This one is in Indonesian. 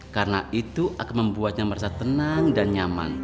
karena itu akan membuatnya merasa tenang dan nyaman